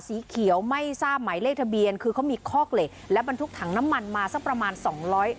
สีเขียวไม่ทราบหมายเลขทะเบียนคือเขามีคอกเหล็กและบรรทุกถังน้ำมันมาสักประมาณสองร้อย